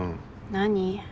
何？